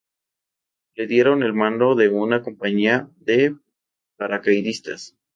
Le dieron el mando de una compañía de paracaidistas.